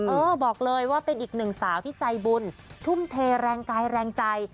เออบอกเลยว่าเป็นอีกหนึ่งสาวที่ใจบุญทุ่มเทแรงกายแรงใจ